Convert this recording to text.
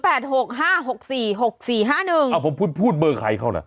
อ้าวผมพูดเบอร์ใครเข้านะ